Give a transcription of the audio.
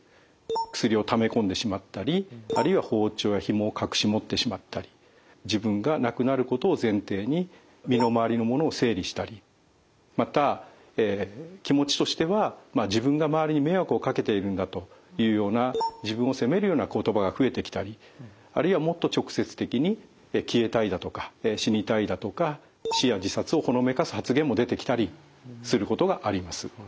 薬をためこんでしまったりあるいは包丁やひもを隠し持ってしまったり自分が亡くなることを前提に身の回りのものを整理したりまた気持ちとしては「自分が周りに迷惑をかけているんだ」というような自分を責めるような言葉が増えてきたりあるいはもっと直接的に「消えたい」だとか「死にたい」だとか死や自殺をほのめかす発言も出てきたりすることがあります。